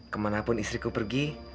kemanapun istriku pergi